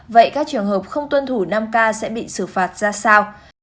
vậy các trường hợp không tuân thủ năm k sẽ bị xử phạt ra sao